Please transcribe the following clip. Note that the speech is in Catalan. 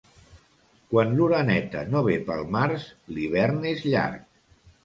Quan l'oreneta no ve pel març, l'hivern és llarg.